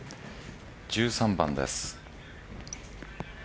１３番です。